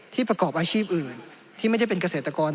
ประกอบอาชีพอื่นที่ไม่ได้เป็นเกษตรกร